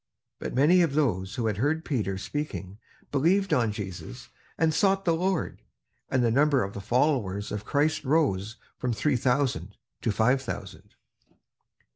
But many of those who had heard Peter speaking believed on Jesus, and sought the Lord; and the number of the followers of Christ rose from three thousand to five thousand.